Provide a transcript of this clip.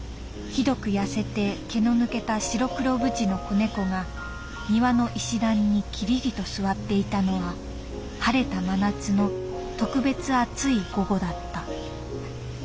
「ひどく痩せて毛の抜けた白黒ブチの子猫が庭の石段にきりりと座っていたのは晴れた真夏の特別暑い午後だった。